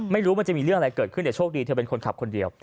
ไม่รู้มันจะมีเรื่องอะไรเกิดขึ้นแต่โชคดีเธอเป็นคนขับคนเดียว